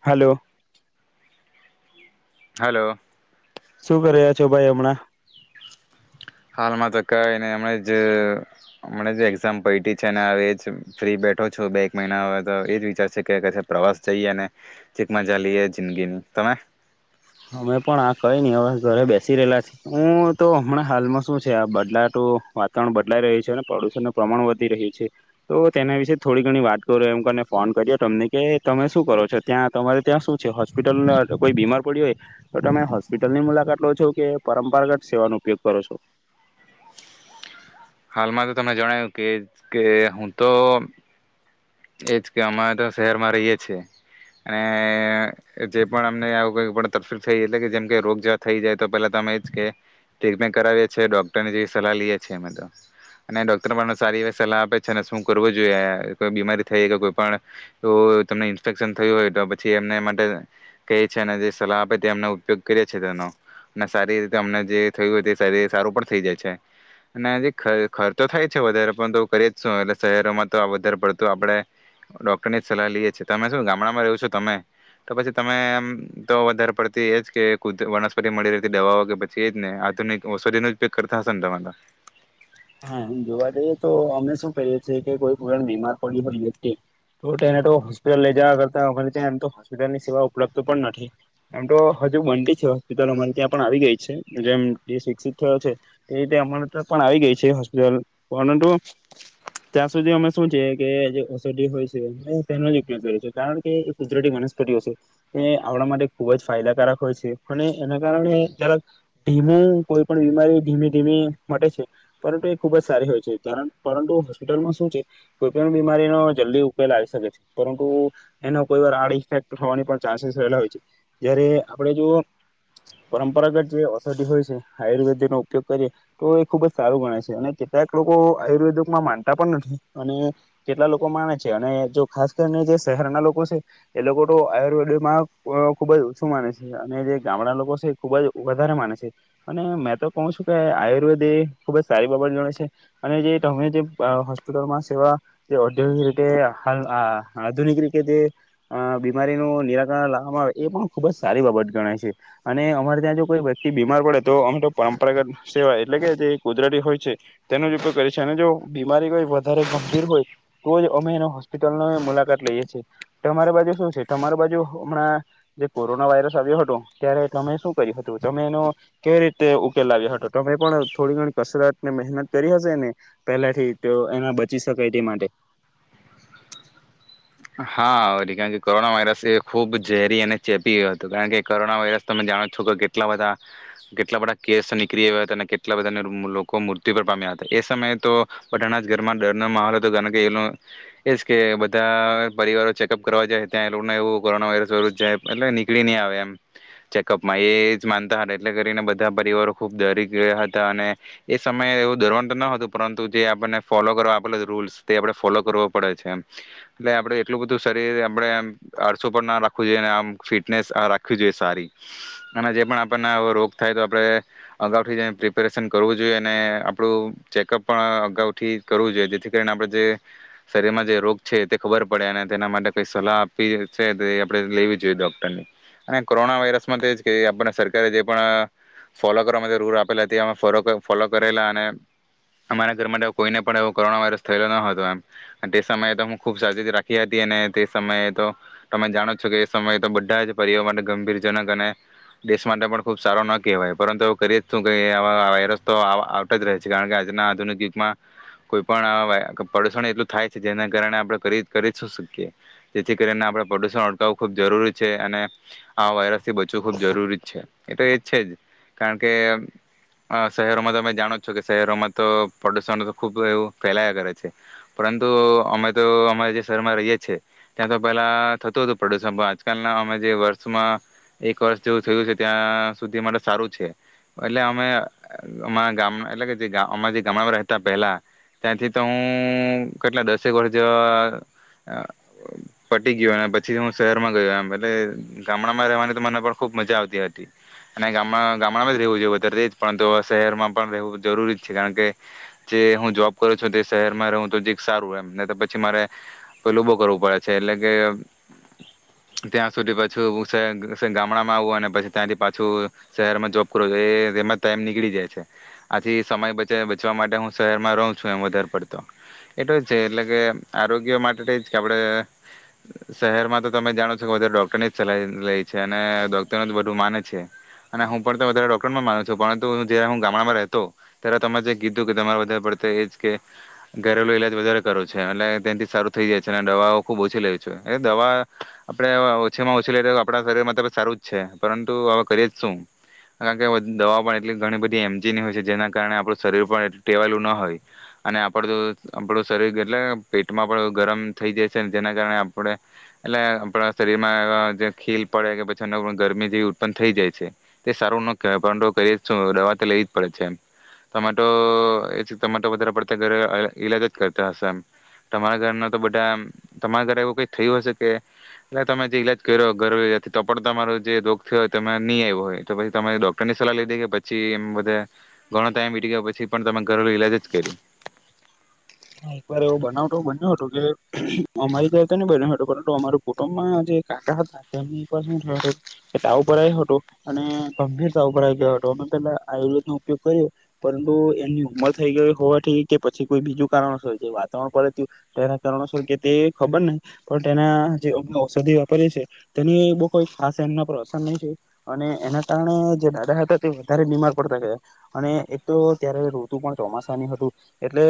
Hello. Hello. શું કર્યા છો ભાઈ હમણાં. હાલમાં તો કઈ ને હમ જ હમ એક્ઝામ પ છે હ એ જ ફ્રી બેઠો છો બે એક મહિના હ તો એ જ વિચારશે કે ક પ્રવાસ જઈએ ને ચીક મજા લઈએ જિંદગીની તમે? અમે પણ આખ કંઈ નહીં હ ઘરે બેસી રહેલા છે હું તો હમણાં હાલમાં શું છે આ બદલાતું વાતાવરણ બદલાઈ રહ્યું છે અને પ્રદુષણનું પ્રમાણ વધી રહ્યું છે તો તેના વિશે થોડી ઘણી વાત કરો એમ કને ફોન કરી્યો તમને કે તમે શું કરો છો ત્યાં તમારે ત્યાં શું છે હોસ્પિટલ કોઈ બીમાર પડીયું હોય. તો તમે હોસ્પિટલની મુલાકાત લો છો કે પરંપરાગત સેવાનો ઉપયોગ કરો છો. હાલમાં તો તમને જણાવ્યું કે કે હું તો એજ કે અરે તો શહેરમાં રહીએ છીએ અને જે પણ અમને આવું કોઈ તકલીફ થઈ એટલે કે જેમ કે રોગ જે થઈ જાય તો પેલા તો અમે એજ કે ટ્રીટમેન્ટ કરાવીએ છીએ ડોક્ટરની જેવી સલાહ લઈએ છીએ અમે તો અને ડોક્ટર પણ સારી એવી સલાહ આપે છે અને શું કરવું જોઈએ કોઈ બીમારી થઈ કે કોઈ પણ એવું તમને ઇન્સ્પેક્શન થયું હોય તો પછી એમને એ માટે કહી છી અને જે સલાહ આપે તે અમને ઉપયોગ કરીએ છીએ તેનો અને સારી રીતે અમને જે થયું હોય તે સારી સારું પણ થઈ જાય છે અને જે ખર્ચ થાય છે વધારે પણ તો કરીએ જ શું એટલે શહેરોમાં તો વધારે પડતું આપણે ડોક્ટર ની જ સલાહ લઈએ છે તમે શું ગામડામાં રહ્યો છો તમે તો પછી તમેમ તો વધારે પડતી એજ કેુ વનસ્પતિ મળી રહેતી દવાઓ કે પછી એજ ને આધુનિક ઔષધી નો ઉપયોગ કરતા હશે ને તમારો. હા જોવા જઈએ તો અમને શું કએીએ કે કોઈ પ્ર બીમાર પડી હોય વ્ય તોને તો હોસ્પિટલ લઈ જવા કરતા અમારે ત્યાં એમ તો હોસ્પિટલની સેવા ઉપલબ્ધ પણ નથી એમ તો હજુ બનતી છે હોસ્પિટલ અમારે ત્યાં પણ આવી ગઈ છે જેમ જે શિક્ષિત થયો છે એતે અમા ત્યા પણ આવી ગઈ છે. હોસ્પિટલ પરંતુ ત્યાં સુધી અમે શું છે કે જે ઔષધિ હોય છે તેનો જ ઉપયોગ કરી છ કારણ કે એ કુદરતી વનસ્પટીઓ છે એ આવણા માટે ખુબ જ ફાયદાકારક હોય છે અને એના કારણે જક ધીમો કોઈ પણ બીમારી ધીમે ધીમે મટે છે. પરંતુ એ ખુબ જ સારી હોય છેણ પરંતુ હોસ્પિટલમાં શું છે કોઈ પણ બીમારીનો જલ્દી ઉકેલ આવી શકે છે પરંતુ એનો કોઈ વાર આડ ઇફેક્ટ થવાની પણ ચાન્સીસ રહેલા હોય છે જયારે આપણે જો પરંપરાગત જે ઓષધિ હોય છે આયુર્વેદનો ઉપયોગ કરીએ તો એ ખુબ જ સારું ગણે છે અને કેટલાક લોકો આયુર્વેદમાં માનતા પણ નથી અને કેટલા લોકો માને છે અને જો ખાસ કરીને જે શહેરના લોકો છે એ લોકો તો આયુર્વેદમાં ખૂબ જ ઓછું માને છે અને જે ગામડા લોકો છે ખૂબ જ વધારે માને છે અને મેં તો કહું છું કે આયુર્વેદ એ ખૂબ જ સારી બાબત ગણાય છે અને જે તમે જે હોસ્પિટલમાં સેવા જે ઔદ્યોગિક રીતેાલ આધુનિક રીતે જે બીમારીનું નિરાકરણ લાવવામાં આવે એ પણ ખૂબ જ સારી બાબત ગણાય છે અને અમારે ત્યાં જો કોઈ વ્યક્તિ બીમાર પડે તો અમે તો પરંપરાગત સેવા એટલે કે જે કુદરતી હોય છે તેનો જ ઉપયોગ કરીએ છે અને જો બીમારી કોઈ વધારે ગંભીર હોય તો જ અમે એનો હોસ્પિટલની મુલાકાત લઈએ છીએ તમારી બાજુ શું છે તમારી બાજુ હમણાં જે કોરોના વાયરસ આવ્યો હતો ત્યારે તમે શું કર્યું હતું તમે એનો કેવી રીતે ઉકેલાવ્યો હતો તમે પણ થોડી ઘણી કસરત ને મહેનત કરી હશે ને પહેલા થી તો એના બચી શકાય તે માટે. હા કારણ કે કોરોના વાયરસ એ ખૂબ ઝેરી અને ચેપી હતો કારણ કે કોરોના વાયરસ તમે જાણો છો કે કેટલા બધા કેટલા બધા કેસ નીકળી ગ્યા હતા અને કેટલા બધા લોકો મૃત્યુ પર પામ્યા હતા એ સમયે તો બધાના જ ઘરમાં ડર નો માહોલ હતો કારણ કે એનું એજ કે બધા પરિવારો ચેકઅપ કરવા જાય ત્યાં એ લોકોને એવું કોરોના વાયરસ જાય એટલે નીકળી નહી આવે એમ ચેકઅપમાં એ જ માનતા હતા એટલે કરીને બધા પરિવારો ખુબ ડરી ગયા હતા અને એ સમયે એવું ડરવાનું તો ન હતું પરંતુ જે આપણને ફોલો કર આપે રૂલ્સ તે આપણે ફોલો કરવો પડે છે એમ એટલે આપ એટલું બધું શરીર આપણે આરસું પણ ના રાખવું જોઈએ અને આમ ફિટનેસ રાખવી જોઈએ સારી અને જે પણ આપણને રોગ થાય તો આપણે અગાઉથી પ્રિપેરેશન કરવું જોઈએ અને આપણું ચેકઅપ પણ અગાઉથી કરવું જોઈએ જેથી કરીને આપણે જે શરીરમાં જે રોગ છે તે ખબર તેના માટે કઈ સલાહ આપવી છે તે આપણે લેવી જોઈએ ડોક્ટરની અને કોરોના વાયરસ માટે કે આપને સરકારે જે પણ ફોલો કરવા માટે રૂલ આપેલા ફોલો કરેલા અને અરા ઘર માટે કોઈને પણ એવ કોરોના વાયરસ થયેલો ન હતો એમ તે સમયે તો હું ખૂબ સાચી રાખ હતી અને તે સમયે તો તમે જાણો છો કે એ સમયે તો બધા જ પરિવાર માટે ગંભીરજનક અને દેશ માટે પણ ખૂબ સારો ન કહેવાય પરંતુ હ કરીએ જ છું કેવા વાયરસ તો આવતા જ રહે છે કારણ કે આજના આધુનિક યુગમાં કોઈ પણ પ્રદુષણ એટલું થાય છે જેના કારણે આપણે કરી કરી શું શકીએ જેથી કરીને આપણે પ્રદુષણ અટકાવવું ખૂબ જરૂરી છે અને આ વાયરસ થી બચવું ખુબ જરૂરી જ છે. એ તો એ છે જ કારણ કે શહેરોમાં તમે જાણો છો કે શહેરોમાં તો પ્રદુષણ ખૂબ એવું ફેલાયા કરે છે પરંતુ અમે તો અમે જે શહેરમાં રહીએ છીએ ત્યાં તો પહેલા થતું હતું પ્રદુષણ પણ આજકાલના અમે જે વર્ષમાં એક વર્ષ જેવું થયું છે ત્યાં સુધી અરે સારું છે એટલે અમે ગામ એટલે કે જે અ જે ગામડામાં રહેતા પહેલા ત્યાંથી તો હું કેટલા દસેક વર્ષ પટી ગયો અને પછી હું શહેરમાં ગયો એમ એટલે ગામડામાં રવાની તો મને પણ ખુબ મજા આવતી હતી અને ગામ ગામડામાં જ રહેવું જોવ વધારે તેજ પણ તો શહેરમાં પણ રહેવું જરૂરી જ છે કારણ કે જે હું જોબ કરું છું તે શહેરમાં રહું તો જે સારું એમ પછી મારે પલ ઉભો કરવું પડે છે એટલે કે ત્યાં સુધી પાછું ગામડામાં આવું અને પછી ત્યાંથી પાછું શહેરમાં જોબ કરવો જોઈએ એમાં ટાઈમ નીકળી જાય છે આથી સમય બચવા માટે હું શહેરમાં રહું છું એમ વધારે પડતો એટ જ છે એટલે કે આરોગ્ય માટે તો જ કે આપણે શહેરમાં તો તમે જાણો છો કે વધારે ડૉક્ટરની જ સલા લે છે અને ડોક્ટરનું જ બધું માને છે અને હું પણ તો વધારે ડૉક્ટરમાં માનું છું પરંતુ જ્યારે હું ગામડામાં રહેતો ત્યારે તમે જે કીધું કે તમારે વધારે પડત એ જ કે ઘરેલુ ઈલાજ વધારે કરો છે અનેટ ત્યાંથી સારું થઈ જાય છે અને દવાઓ ખૂબ ઓછી લે છેું એ દવા આપણે ઓછીમાં ઓછી લઈએ તો આપણા શરીરમાં ત સારું જ છે પરંતુ હવે કરીએ જ શું કારણ કે દવાઓ પણ એટલી ઘણી બધી એમજીની હોય છે જેના કારણે આપણું શરીર પણ એટલું ટેવાયેલું ન હોય અને આપણું આપણું શરીર એટલે પેટમાં પણ ગરમ થઈ જાય છે જેના કારણે આપણે એટલે આપણા શરીરમાં એ જે ખીલ પડે કે પછી એ ગરમી જેવી ઉત્પન્ન થઈ જાય છે તે સારું ન કહેવાય પરુ ઘ શું દવા તો લેવી જ પડે છે એમ તમામેટો એ તમાટો વધારે પડતા ઘરે ઈલાજ જ કરતા હશે એમ તમારા ઘરના તો બધા તમારા ઘરે એવું કઈ થયું હશે કે એટ તમે જે ઈલાજ કર્યો ઘરેલુથી તો પણ તમારો જે રોગ થયોય તમે નહી આવ્યો હોય તો પછી તમારી ડોક્ટર ની સલાહ લઈ દે કે પછી એ બધ ઘણો ટાઈમ બીતી ગયો પછી પણ તમે ઘરેલુ ઈલાજ જ કર્યું. હા એકવાર એવો બનાવ તો બન્યો હતો કે અમારી તો તો નઈ બન્યો હતો પરંતુ અમાર કુટુંબમાં જે કાટ હતા તેમને એક વાર શું થયોું કે તાવ ઉપર આવ હતોું અને ગંભીરતા ઉપર આવી ગયો હતો અમે પેલા આયુર્વેદ નો ઉપયોગ કર્યો પરંતુ એમની ઉંમર થઈ ગઈ હોવાથી કે પછી કોઈ બીજું વાતાવરણ પડેું તેના કારણોસ કે તે ખબર નહ પણ તેના જે ઔષધિ વાપરી છે તેને બ કોઈ આ પર અસર નહી છે અને એના કારણે જે દાદા હતા તે વધારે બીમાર પડતા ગયા અને એક તો ત્યારે ઋતુ પણ ચોમાસાની હતું એટલે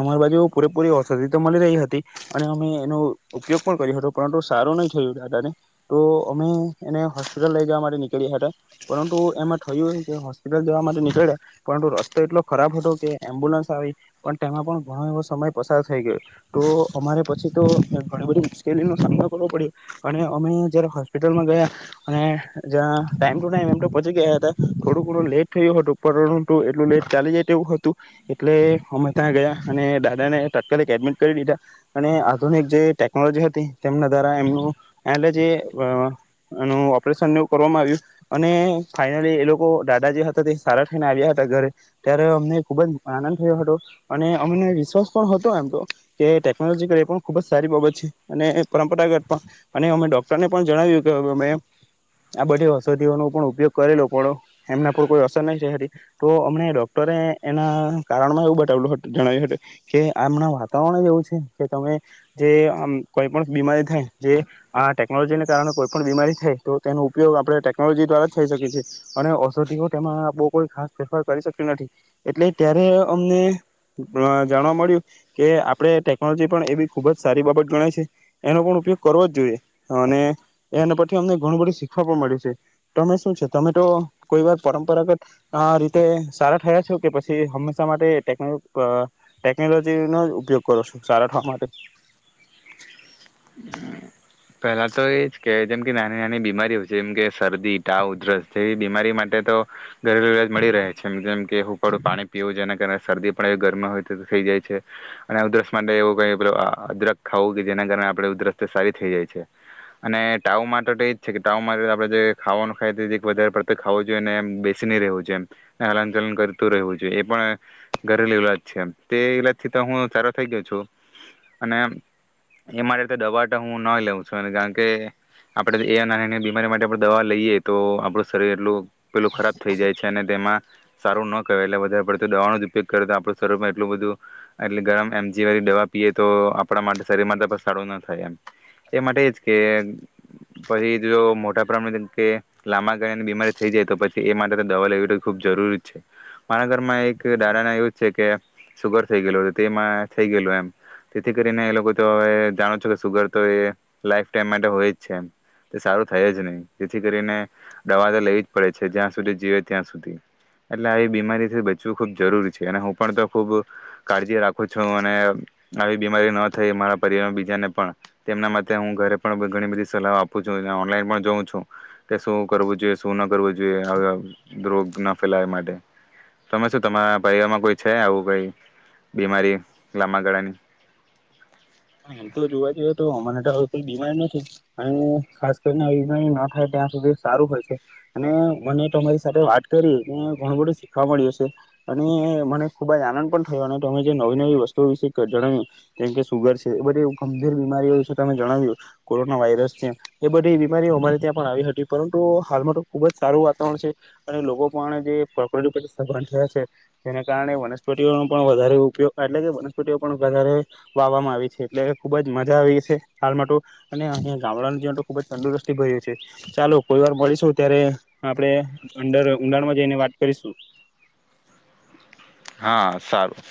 અમારી બાજુ પૂરેપૂરી ઔષધિ તો મળી રહી હતી અને અમે એનો ઉપયોગ પણ કર્યો હતો પરંતુ સારું નહી થયુંાને તો અમે એને હોસ્પિટલ લઈ જવા માટે નીકળ્યા હતા પરંતુ એમાં થયું કે હોસ્પિટલ જવા માટે નીકળ્યા પરંતુ રસ્તો એટલો ખરાબ હતો કે એમ્બ્યુલન્સ આવી. પણ તેમાં પણ ઘણો એવો સમય પસાર થઈ ગયો તો અમારે પછી તો ઘણી બધી મુશ્કેલીનો સામનો કરવો પડ્યો અને અમે જ્યારે હોસ્પિટલમાં ગયા અને જ્યાં ટાઈમ ટુ ટાઈમ એમ તો પચી ગયા હતા થોડું થોડું લેટ થયું હતું પર ટું એટલું લેટ ચાલી જાય તે એવું હતું એટલે અમે ત્યાં ગયા અને દાદાને તાત્કાલિક એડમિટ કરી દીધા અને આધુનિક જે ટેકનોલોજી હતી તેમના દ્વારા એમનું એ જે ઓપરેશન કરવામાં આવ્યું અને ફાઈનલી એ લોકો દાદા જે હતા તે સારા થઈને આવ્યા હતા ઘરે ત્યારે અમને ખુબ જ આનંદ થયો હતો. અને અમને વિશ્વાસ પણ હતો એમ તો કે ટેકનોલોજી કરી એ પણ ખૂબ જ સારી બાબત છે અને પરંપરાગત પણ અને અમે ડોક્ટરને પણ જણાવ્યું કે અમે આ બધી ઔષધિઓનો પણ ઉપયોગ કરેલો પડો એમના પર કોઈ અસર નહી થઈ હતી તો અમને ડોક્ટરે એના કારણમાં એવું બતાવલું હતું. જણાવ્યું હત કે આમણાં વાતાવરણ જ એવું છે કે તમે જે આમ કોઈ પણ બીમારી થાય જે આ ટેકનોલોજીને કારણે કોઈ પણ બીમારી થાય તો તેનો ઉપયોગ આપણે ટેકનોલોજી દ્વારા જ થઈ શકી છીએ અને ઔષધિઓ તેમાં આપ કોઈ ખાસ ફેરફાર કરી શકતી નથી એટલે ત્યારે અમને જાણવા મળ્યું કે આપણે ટેકનોલોજી પણ એવી ખુબ જ સારી બાબત ગણાય છે એનો પણ ઉપયોગ કરવો જ જોઈએ અને એના પરી અમને ઘણું બધું શીખવા પણ મળ્યું છે તમે શું છે તમે તો કોઈ વાર પરંપરાગત રીતે સારા થયા છો કે પછી હંમેશા માટે ટેકનો. અ ટેકનોલોજીનોો ઉપયોગ કરો છો સારા થવા માટે. પેલા તો એજ કે જેમ કે નાની નાની બીમારીઓ છે જેમ કે શરદી ટાવ ઉધરસ એવી બીમારી માટે તો. ઘરેલુવાજ મળી રહે છેમ જેમ કે હું કડું પાણી પીવું જેના કારણે. શરદી પણ એ ગરમમાં હોય તો થઈ જાય છે અને ઉધરસ માટે એવું કઈ અદરક ખાવું કે જેના કારણે. આપ ઉધર સારી થઈ જાય છે અને ટાવ માટે તો એજ છે કે ટાાવ માટે આપડે જે ખાવાનું ખાય વધારે પડત ખું જોઈએને બેસીને રહેવું જોઈએને હલનચલન કરતું રહેવું જોઈએ એ પણ ઘરેલું ઇલાજ છે તે ઇલાજ થી તો હું સારો થઈ ગયો છું અને એ માટે. દવા હું ના લઉં છું કારણ કે આપડે એ નાની નાની બીમારી માટે આપડ દવા લઈએ તો આપડું શરીર એટલું. પેલું ખરાબ થઈ જાય છે અને તેમાં. સારું ન ક એટલે વધારે પડ દવાનો જ ઉપયોગ કરે તો આપણું શરીરમાં એટલું બધું એટલે ગરમ એમજી વાળી દવા પીએ તો આપણા માટે શરીર માં. સારું ના થાય એમ એ માટે એજ કે પછી જો મોટા પ્રમાણે કે લાંબા ગાળિયાની બીમારી થઈ જાય તો પછી એ માટે તો દવા લેવી ખુબ જરૂરી છે મારા ઘરમાં એક દાદ ના એવું છે કે સુુગર થઈ ગયેલું તેમાં થઈ ગયેલું એમ તેથી કરીને એ લોકો તો હવે. જાણો છો કે સુગર તો એ લાઈફ ટાઈમ માટે હોય જ છે એમ તે સારું થાય જ નહીિ જેથી કરીને દવા તો લેવી જ પડે છે જ્યાં સુધી જીવે ત્યાં સુધી એટલે આવી બીમારીથી બચવું ખૂબ જરૂરી છે અને હું પણ તો ખૂબ કાળજી રાખું છું અને આવી બીમારી ન થઈ મારા પરિવારમાં. ને પણ તેમના માટે હું ઘરે પણ ઘણી બધી સલાહ આપું છું ઓનલાઈન પણ જોઉં છું કે શું કરવું જોઈએ શું ના કરવું જોઈએ રોગ ના ફેલાય માટે તમે શું તમારા પરિવારમાં કોઈ છે આવું કઈ બીમારી લાંબા ગાળાની. એમ તો જોવા જીએ તો અમને તો કોઈ બીમારી નથી અને ખાસ કરીને આ બીમારી ના થાય ત્યાં સુધી સારું હોય છે, અને મને તમારી સાથે વાત કરી ઘણું બધું શીખવા મળ્યું સે, અને મને ખુબ જ આનંદ પણ થયો, અને તમે જે નવી નવી વસ્તુઓ વિશે જણાવ્યું જેમ કે સુગર એ બધી ગંભીર બીમારીઓ વિશે તમે જણાવ્યું કોરોના વાયરસ છે, એ બધી બીમારીઓ અમારે ત્યાં પણ આવી હતી, પરંતુ હાલમાં તો ખુબ જ સારું વાતાવરણ છે, અને લોકો પણ જે પ્રકૃતિ પ્રત્યે સભાન થયા છે જેને કારણે વનસ્પતિઓનો પણ વધારે ઉપયોગ એટલે કે વનસ્પતિઓ પણ વધારે વાવામાં આવી છે. એટલે ખુબ જ મજા આવી છે, હાલમાં તો અને અહિયા ગામડાનું જીવન તો ખુબ જ તંદુરસ્તી ભર્યું છે, ચાલો કોઈ વાર મળીશું, ત્યારે આપણે અંદર ઉઊંડાણમાં જઈને વાત કરીશું. હા સારું.